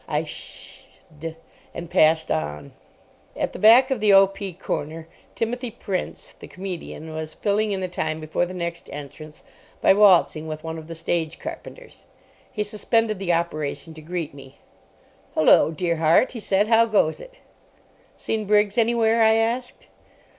I sh h hed, and passed on. At the back of the O.P. corner Timothy Prince, the comedian, was filling in the time before the next entrance by waltzing with one of the stage carpenters. He suspended the operation to greet me. "Hullo, dear heart," he said, "how goes it?" "Seen Briggs anywhere?" I asked.